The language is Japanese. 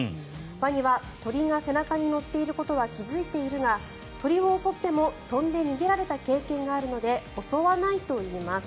ワニは鳥が背中に乗っていることは気付いているが鳥を襲っても飛んで逃げられた経験があるので襲わないといいます。